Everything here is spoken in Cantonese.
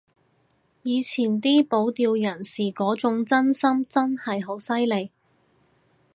以前啲保釣人士嗰種真心真係好犀利